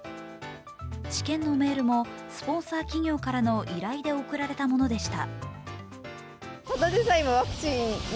治験のメールもスポンサー企業からの依頼で送られたものでした。